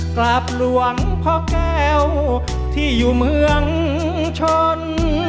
กลับหลวงพ่อแก้วที่อยู่เมืองชน